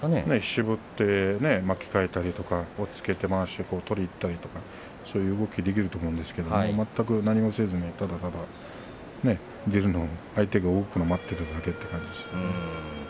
絞って巻き替えたり押っつけてまわしを取りにいったりそういう動きができると思うんですけども全く何もせずに、ただ相手が動くのを持っているだけという感じです。